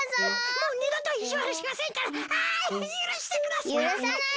もう２どといじわるしませんからあゆるしてください！